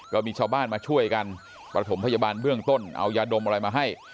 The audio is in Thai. ก็มีชาวบ้านมาช่วยกันประถมพยาบาลเบื้องต้นเอายาดมอะไรมาให้